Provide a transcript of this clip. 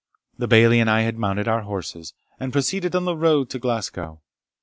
The Bailie and I mounted our horses, and proceeded on the road to Glasgow.